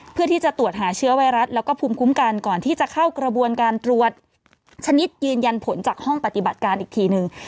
เพื่อที่จะตรวจหาเชื้อไวรัสแล้วก็ภูมิคุ้มกันก่อนที่จะเข้ากระบวนการตรวจชนิดยืนยันผลจากห้องปฏิบัติการอีกทีนึง